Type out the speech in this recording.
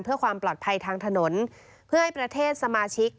เพื่อความปลอดภัยทางถนนเพื่อให้ประเทศสมาชิก